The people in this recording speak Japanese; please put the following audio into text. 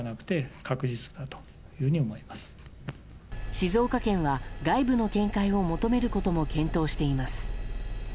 静岡県は、外部の見解を求めることも検討しています。